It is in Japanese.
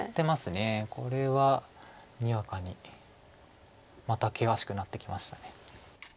これはにわかにまた険しくなってきました。